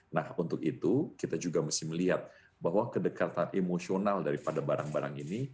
nah untuk itu kita juga mesti melihat bahwa kedekatan emosional daripada barang barang ini